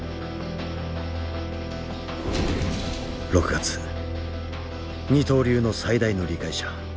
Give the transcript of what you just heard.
６月二刀流の最大の理解者